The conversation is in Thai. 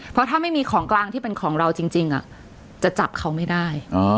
เพราะถ้าไม่มีของกลางที่เป็นของเราจริงจะจับเขาไม่ได้